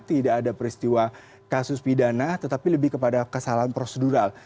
tidak ada peristiwa kasus pidana tetapi lebih kepada kesalahan prosedural